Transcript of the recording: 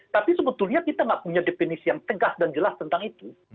tapi sebetulnya kita nggak punya definisi yang tegas dan jelas tentang itu